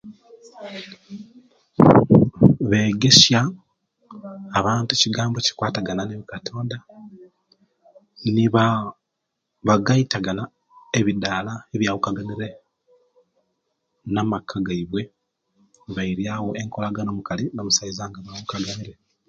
Begesia abantu ekigambo ekikwatagana ne katonda ne baa bagaitagana ebiddaala ebyawukaganile na'maka gabwe nebailyawo enkologana omukali no masaiza nga babukanile